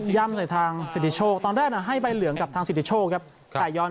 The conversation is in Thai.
ย่ำในทางสิทธิโชกตอนแรกเนินใจที่ว่าให้ใบเหลืองกับทางสิทธิโชกไก่ยอล